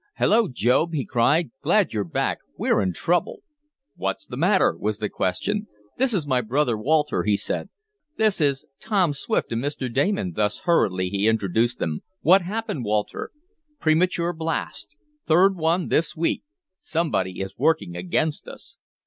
"Hello, Job!" he cried. "Glad you're back. We're in trouble!" "What's the matter?" was the question. "This is my brother Walter," he said. "This is Tom Swift and Mr. Damon," thus hurriedly he introduced them. "What happened, Walter?" "Premature blast. Third one this week. Somebody is working against us!"